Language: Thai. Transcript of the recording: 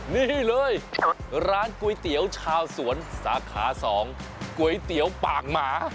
นี่เลยร้านก๋วยเตี๋ยวชาวสวนสาขา๒ก๋วยเตี๋ยวปากหมา